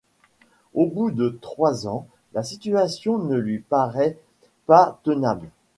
Au bout de trois ans la situation ne lui parait pas tenable.